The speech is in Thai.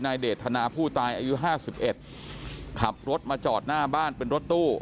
เดทนาผู้ตายอายุห้าสิบเอ็ดขับรถมาจอดหน้าบ้านเป็นรถตู้